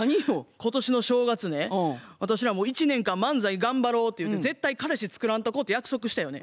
今年の正月ね私ら一年間漫才頑張ろうってゆうて絶対彼氏つくらんとこって約束したよね。